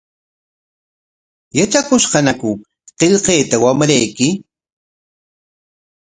¿Yatrakushqañaku qillqayta wamrayki?